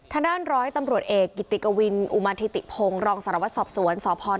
ท่านด้านร้อยตำรวจเอกกิติกวินอุมานธิติกพงศ์รองสารวัตรสอบสวนสนหาน